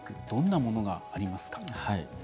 どんなものがありますか？